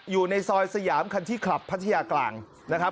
อยู่ในซอยสยามคันที่คลับพัทยากลางนะครับ